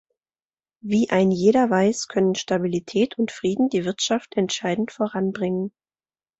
Wie ein jeder weiß, können Stabilität und Frieden die Wirtschaft entscheidend voranbringen.